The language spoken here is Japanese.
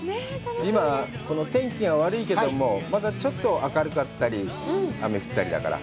今、天気が悪いけども、まだちょっと明るかったり、雨が降ったりだから、